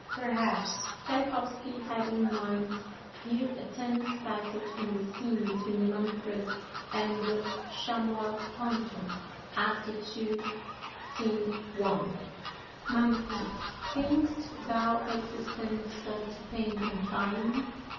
Perhaps Tschaikowsky had in mind here a tense passage in the scene between Manfred and the Chamois Hunter (Act II., Scene I.): "MANFRED. Think'st thou existence doth depend on time?